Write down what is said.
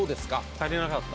足りなかった。